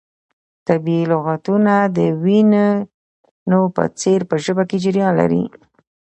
طبیعي لغتونه د وینو په څیر په ژبه کې جریان لري.